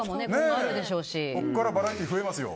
ここからバラエティー増えますよ。